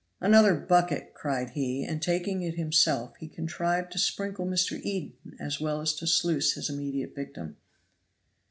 "Another bucket," cried he, and taking it himself, he contrived to sprinkle Mr. Eden as well as to sluice his immediate victim.